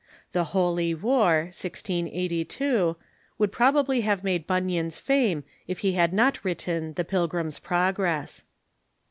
" The Holy War " (1G82) would probably have made Bunyan's fame if he had not written the " Pilgrim's Progress."